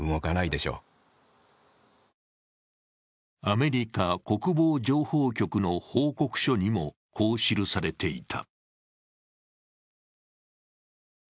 アメリカ・国防情報局の報告書にもこう記されていた。